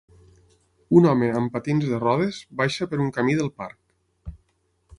Un home amb patins de rodes baixa per un camí del parc.